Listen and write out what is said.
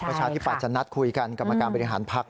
ประชาธิปัตยจะนัดคุยกันกรรมการบริหารพัก